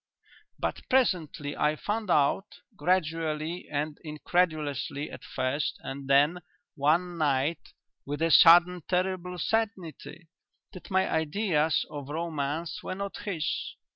But presently I found out gradually and incredulously at first and then one night with a sudden terrible certainty that my ideas of romance were not his....